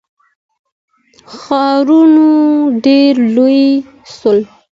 ښارونه ډیر لوی سول.